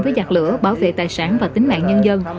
với giặc lửa bảo vệ tài sản và tính mạng nhân dân